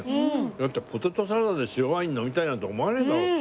だってポテトサラダで白ワイン飲みたいなんて思わねえだろ普通。